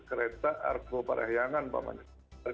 kereta argo perahyangan pak manusia